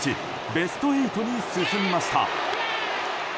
ベスト８に進みました。